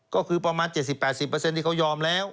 ก็คือประมาณ๗๐๘๐ที่เขายอมแล้ว